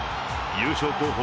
優勝候補